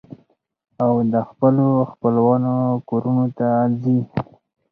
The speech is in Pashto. او د خپلو خپلوانو کورنو ته ځي.